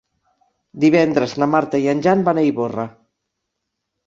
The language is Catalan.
Divendres na Marta i en Jan van a Ivorra.